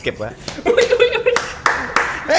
เก็บไว้